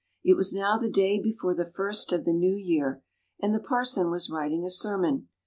It was now the day before the first of the new year, and the parson was writing a sermon.